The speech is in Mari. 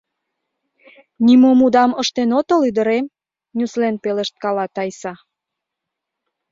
— Нимом удам ыштен отыл, ӱдырем! — нюслен пелешткала Тайса.